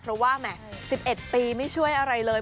เพราะว่าแหม๑๑ปีไม่ช่วยอะไรเลย